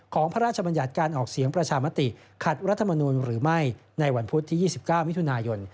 พระราชบัญญัติการออกเสียงประชามติขัดรัฐมนูลหรือไม่ในวันพุธที่๒๙มิถุนายน